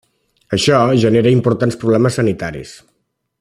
Això genera importants problemes sanitaris.